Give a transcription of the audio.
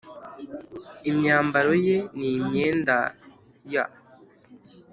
imyambaro ye ni imyenda y